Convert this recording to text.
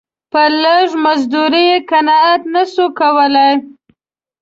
په لږ مزدوري یې قناعت نه سو کولای.